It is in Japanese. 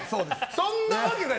そんなわけない！